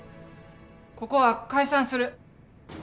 ここは解散する。